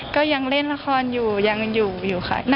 ก็ยังเล่นละครอยู่ค่ะ